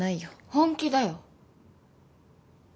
本気だよ。